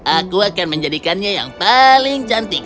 aku akan menjadikannya yang paling cantik